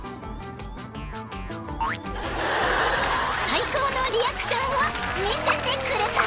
［最高のリアクションを見せてくれた］